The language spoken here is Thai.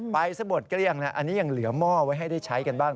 สะบดเกลี้ยงนะอันนี้ยังเหลือหม้อไว้ให้ได้ใช้กันบ้าง